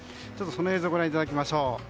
その映像をご覧いただきましょう。